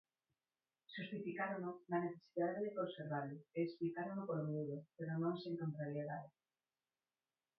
Xustificárono na necesidade de conservalo e explicárono polo miúdo, pero non sen contrariedade.